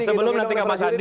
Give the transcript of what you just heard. sebelum nanti kak mas hadi